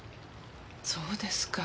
そうですか。